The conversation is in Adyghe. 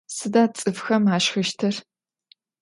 Sıda ts'ıfxem aşşxıştır?